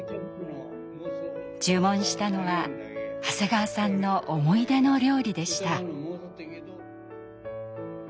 注文したのは長谷川さんの思い出の料理でした。